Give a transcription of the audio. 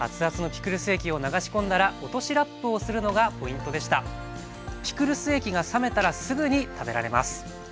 ピクルス液が冷めたらすぐに食べられます。